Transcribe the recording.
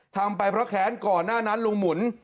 ทำไปเพราะแค้นก่อนหน้านั้นลุงหมุน